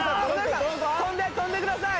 跳んで跳んでください。